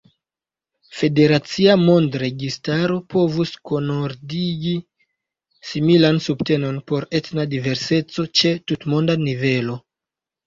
Federacia mondregistaro povus kunordigi similan subtenon por etna diverseco ĉe tutmonda nivelo.